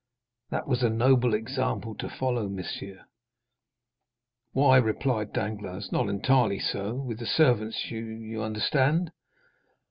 That was a noble example to follow, monsieur." "Why," replied Danglars, "not entirely so; with the servants,—you understand."